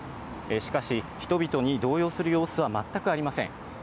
しかし、人々に動揺する様子は全くありません。